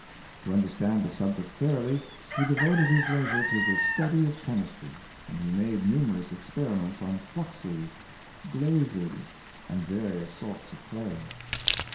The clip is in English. To understand the subject thoroughly, he devoted his leisure to the study of chemistry; and he made numerous experiments on fluxes, glazes, and va rious sorts of clay.